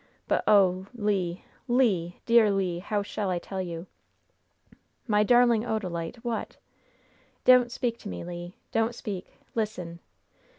But, oh, Le! Le! dear Le! how shall I tell you?" "My darling Odalite, what?" "Don't speak to me, Le! Don't speak! Listen!